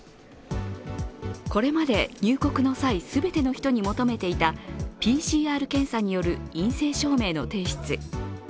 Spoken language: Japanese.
これまで入国の際全ての人に求めていたＰＣＲ検査による陰性証明の提出。